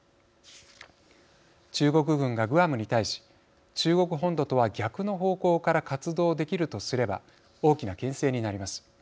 中国軍がグアムに対し中国本土とは逆の方向から活動できるとすれば大きなけん制になります。